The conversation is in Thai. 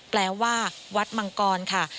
แปลว่าวัดมังกรค่ะ